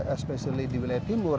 especially di wilayah timur